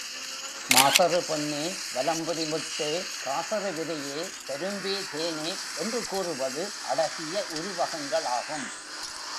மாசறு பொன்னே வலம்புரிமுத்தே காசறு விரையே கரும்பே தேனே என்று கூறுவது அழகிய உருவகங்கள் ஆகும்.